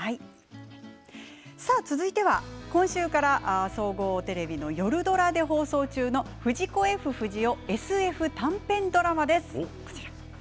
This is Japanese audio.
続いては今週から総合テレビの夜ドラで放送中の藤子・Ｆ・不二雄ＳＦ短編ドラマです。